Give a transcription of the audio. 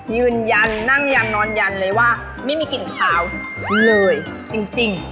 ยืนยันนั่งยันนอนยันเลยว่าไม่มีกลิ่นขาวเลยจริง